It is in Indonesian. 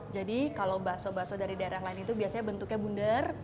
jadi kalau bakso bakso dari daerah lain itu biasanya bentuknya bundar